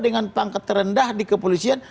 dengan pangkat terendah di kepolisian